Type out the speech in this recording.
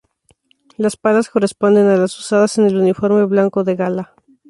Las palas corresponden a las usadas en el uniforme blanco de gala.